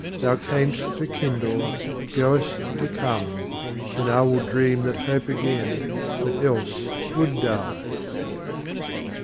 Thou cam'st to kindle, goest to come: then IWill dream that hope again, but else would die.